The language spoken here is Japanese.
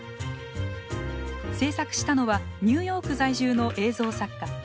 制作したのはニューヨーク在住の映像作家